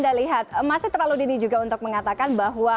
dia tidak mem fragen